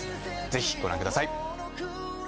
ぜひご覧ください。